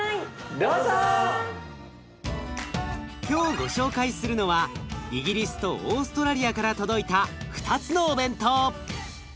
今日ご紹介するのはイギリスとオーストラリアから届いた２つのお弁当。